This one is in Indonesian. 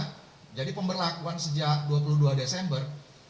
hari itu kita sudah memperlakukan dengan tiga kategori layanan untuk pemberlakuan